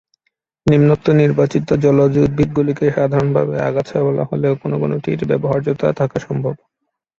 নিম্নোক্ত নির্বাচিত জলজ উদ্ভিদগুলিকে সাধারণভাবে ‘আগাছা’ বলা হলেও কোনো কোনোটির কিছু ব্যবহার্যতা থাকা সম্ভব।